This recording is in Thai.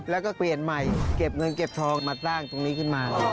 แล้วก็เปลี่ยนใหม่เก็บเงินเก็บทองมาสร้างตรงนี้ขึ้นมา